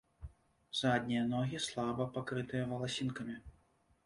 Заднія ногі слаба пакрытыя валасінкамі.